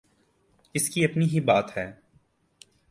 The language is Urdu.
اس کی اپنی ہی بات ہے۔